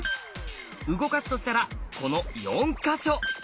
動かすとしたらこの４か所。